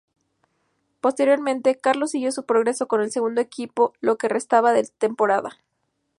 Posteriormente, Carlos siguió su progreso con el segundo equipo lo que restaba de temporada.